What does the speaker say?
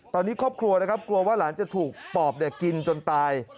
ตอนนี้ครอบครัวนะครับกลัวว่าหลานจะถูกปอบกินจนตาย